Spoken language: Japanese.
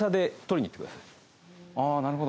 あなるほど。